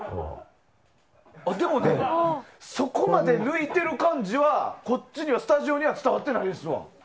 でも、そこまで抜いてる感じはこっちスタジオには伝わってないですわ。